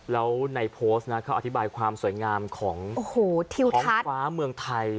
แล้วในโพสต์นะเขาอธิบายความสวยงามของท้องฟ้าเมืองไทย